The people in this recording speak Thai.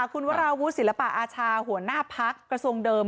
คุณวราวุฒิศิลปะอาชาหัวหน้าพักกระทรวงเดิม